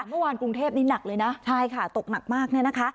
กรุงเทพนี้หนักเลยนะใช่ค่ะตกหนักมากเนี่ยนะคะ